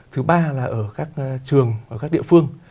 thứ ba là ở các trường ở các địa phương